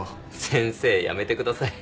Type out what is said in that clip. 「先生」やめてください。